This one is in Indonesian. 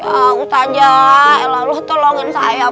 ya ustazah allah tolongin saya